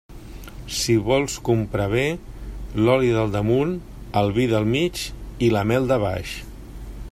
Si vols comprar bé, l'oli del damunt, el vi del mig i la mel de baix.